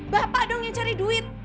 bapak dong yang cari duit